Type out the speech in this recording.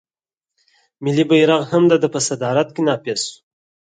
ملي بیرغ هم د ده په صدارت کې نافذ شو.